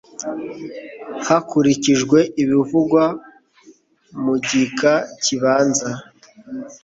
hakurikijwe ibivugwa mu gika kibanza